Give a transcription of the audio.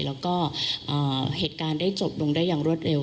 แล้วก็เหตุการณ์ได้จบลงได้อย่างรวดเร็ว